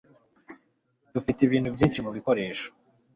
Dufite ibintu byinshi mubikoresho